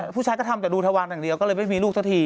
ผู้ชายก็ทำแต่ดูทวานอย่างเดียวก็เลยไม่มีลูกสักที